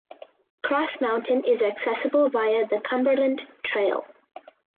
Cross Mountain is accessible via the Cumberland Trail.